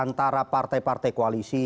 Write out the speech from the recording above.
diantara partai partai koalisi